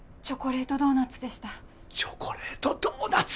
チョコレートドーナツ！